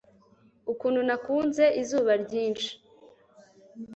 Ukuntu nakunze izuba ryinshi